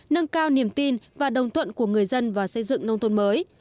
nâng cao niềm tin và đồng thuận của người dân vào xây dựng nông thôn mới